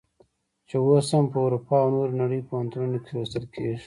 چې اوس هم په اروپا او نورې نړۍ پوهنتونونو کې لوستل کیږي.